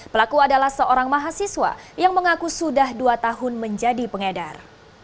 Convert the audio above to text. pelaku adalah seorang mahasiswa yang mengaku sudah dua tahun menjadi pengedar